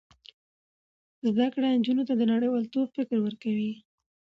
زده کړه نجونو ته د نړیوالتوب فکر ورکوي.